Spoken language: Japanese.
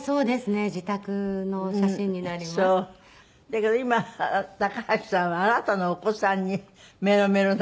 だけど今高橋さんはあなたのお子さんにメロメロ。